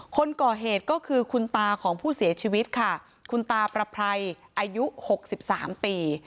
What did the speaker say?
คนก่อเหตุก็คือคุณตาของผู้เสียชีวิตค่ะคุณตาประไพรอายุ๖๓ปี